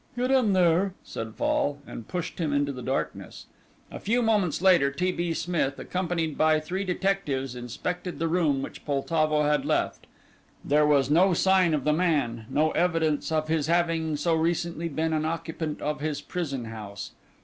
"Get in there," said Fall, and pushed him into the darkness. A few moments later T. B. Smith, accompanied by three detectives, inspected the room which Poltavo had left. There was no sign of the man, no evidence of his having so recently been an occupant of his prison house.